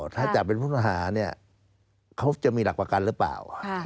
ถ้าจับเป็นผู้ต้องหาเนี่ยเขาจะมีหลักประกันหรือเปล่า